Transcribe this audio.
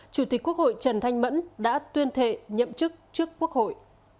chủ tịch quốc hội trần thanh mẫn đã tuyên thệ nhậm chức trước quốc hội